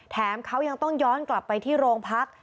แถมเขายังต้องย้อนกลับไปที่โรงพัก